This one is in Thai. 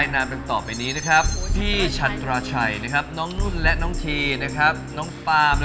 ลับไป๒เหรียดขอบคุณที่บอล